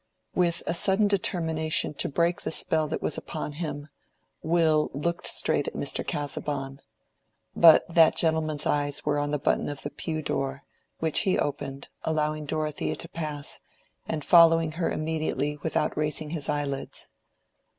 With a sudden determination to break the spell that was upon him, Will looked straight at Mr. Casaubon. But that gentleman's eyes were on the button of the pew door, which he opened, allowing Dorothea to pass, and following her immediately without raising his eyelids.